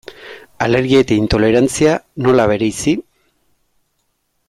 Alergia eta intolerantzia, nola bereizi?